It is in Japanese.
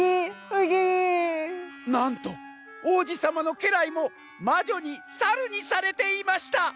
「なんとおうじさまのけらいもまじょにサルにされていました」。